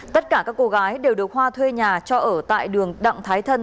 tất cả các cô gái đều được hoa thuê nhà cho ở tại đường đặng thái thân